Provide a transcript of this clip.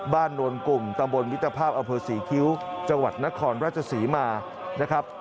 นวลกลุ่มตำบลมิตรภาพอเภอศรีคิ้วจังหวัดนครราชศรีมานะครับ